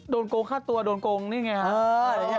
โดนโกงฆ่าตัวโดนโกงนี่ไง